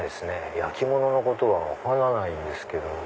焼き物のことは分からないんですけど。